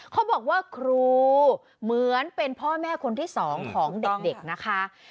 เขาบอกว่าครูเหมือนเป็นพ่อแม่คนที่สองของเด็กนะคะ